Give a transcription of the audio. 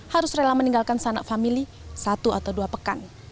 harus rela meninggalkan sanak famili satu atau dua pekan